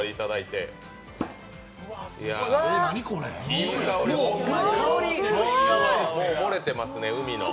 いい香りが、ほんまにもう漏れてますね、海の。